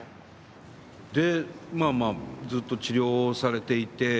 で、まあまあずっと治療されていて。